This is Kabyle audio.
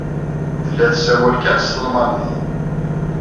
Tella tessawal kan s talmanit.